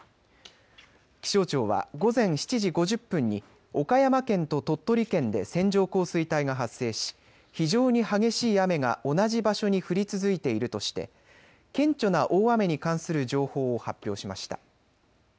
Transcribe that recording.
気象庁は午前７時５０分に岡山県と鳥取県で線状降水帯が発生し非常に激しい雨が同じ場所に降り続いているとして顕著な大雨に関する情報を発表しました。